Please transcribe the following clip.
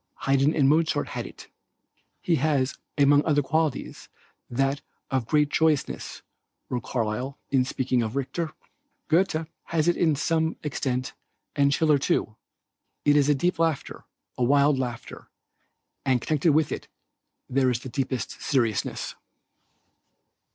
Haydn and Mozart had it. "He has among other qualities that of great joyousness," says Carlyle, in speaking of Richter. "Goethe has it to some extent and Schiller too. It is a deep laughter, a wild laughter, and connected with it, there is the deepest seriousness."